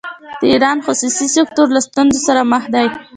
د ایران خصوصي سکتور له ستونزو سره مخ دی.